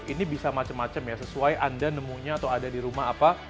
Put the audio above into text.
ini bisa macam macam ya sesuai anda nemunya atau ada di rumah apa